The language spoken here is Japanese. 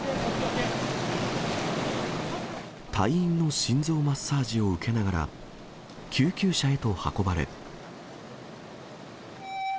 隊員の心臓マッサージを受けながら、救急車へと運ばれ。